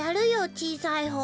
ちいさいほう。